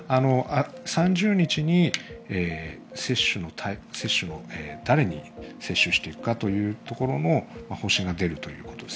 ３０日に誰に接種していくかということの方針が出るということです。